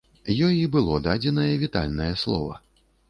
Ёй і было дадзенае вітальнае слова.